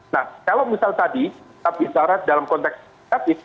nah kalau misalnya tadi tapi secara dalam konteks negatif